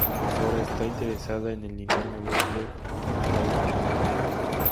Sora está interesada en el Linterna Verde Kyle Rayner.